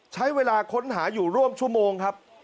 ใช้เวลาค้นหาอยู่ร่วมชั่วโมงครับ